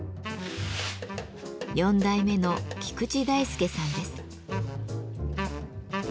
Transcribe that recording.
４代目の菊池大輔さんです。